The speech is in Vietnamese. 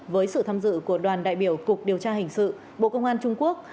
với sự tham dự của đoàn đại biểu cục điều tra hình sự bộ công an trung quốc